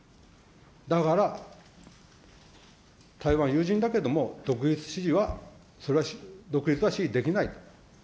だから台湾、友人だけれども、独立支持派、それは独立派支持できないと。